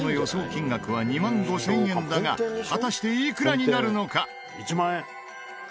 金額は２万５０００円だが果たしていくらになるのか？